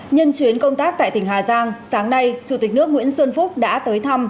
nhân chuyến công tác tại tỉnh hà giang sáng nay chủ tịch nước nguyễn xuân phúc đã tới thăm